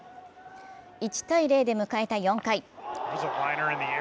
１−０で迎えた４回。